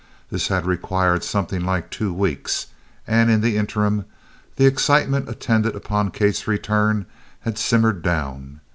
This had required something like two weeks, and in the interim the excitement attendant upon Kate's return had simmered down.